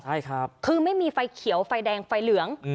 ใช่ครับคือไม่มีไฟเขียวไฟแดงไฟเหลือง